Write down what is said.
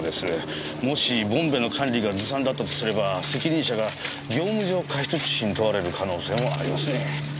もしボンベの管理がずさんだったとすれば責任者が業務上過失致死に問われる可能性もありますね。